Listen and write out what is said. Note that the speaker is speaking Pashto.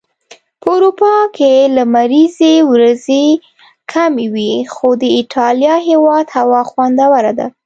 په اروپا کي لمريزي ورځي کمی وي.خو د ايټاليا هيواد هوا خوندوره ده